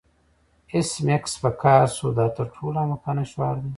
ایس میکس په قهر شو دا تر ټولو احمقانه شعار دی